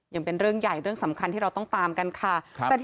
ยังเป็นเรื่องใหญ่เรื่องสำคัญที่เราต้องตามกันค่ะ